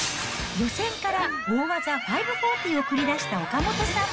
予選から大技５４０を繰り出した岡本さん。